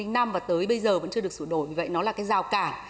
năm và tới bây giờ vẫn chưa được sửa đổi vì vậy nó là cái giao cả